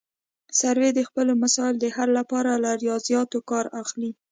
سروې د خپلو مسایلو د حل لپاره له ریاضیاتو کار اخلي